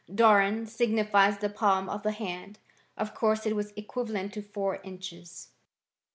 Doron signifies the palm of the hand : of course it was equivalent to 4 inches.